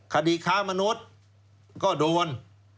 คดีค้ามนุษย์ก็โดน